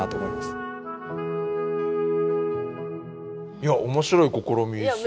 いや面白い試みですね。